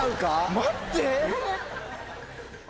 待って！